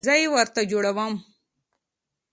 زه یې ورته جوړوم